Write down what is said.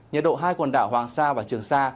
nhiệt độ hai quần đảo hoàng sa và trường sa